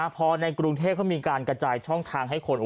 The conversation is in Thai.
พอในกรุงเทพเขามีการกระจายช่องทางให้คน